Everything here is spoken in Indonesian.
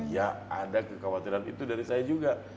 ya ada kekhawatiran itu dari saya juga